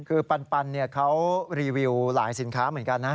คือปันเขารีวิวหลายสินค้าเหมือนกันนะ